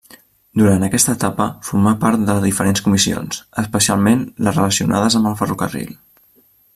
Durant aquesta etapa formà part de diferents comissions, especialment les relacionades amb el ferrocarril.